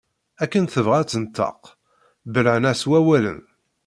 Akken tebɣa ad d-tenṭeq belɛen-as wawalen.